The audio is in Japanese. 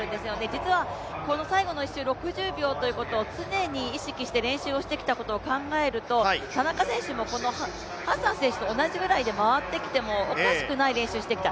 実はこの最後の１周６０秒ということを常に意識して練習してきたことを考えると田中選手も、このハッサン選手と同じくらいで回ってきてもおかしくないくらいの練習をしてきた。